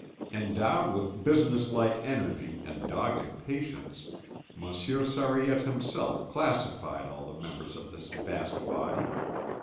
Endowed with business like energy and dogged patience, Monsieur Sariette himself classified all the members of this vast body.